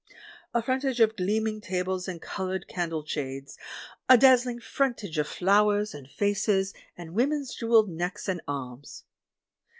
A front age of gleaming tables and coloured candle shades — a dazzling frontage of flowers, and faces, and women's jewelled necks and arms.